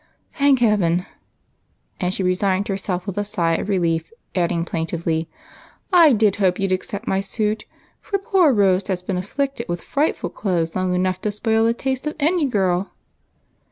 " Thank Heaven !" and she resigned herself with a sigh of relief, adding plaintively, " I did hope you 'd accept my suit, for poor Rose has been afflicted with frightful clothes long enough to spoil the taste of any girl."